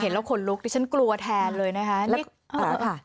แล้วขนลุกดิฉันกลัวแทนเลยนะคะ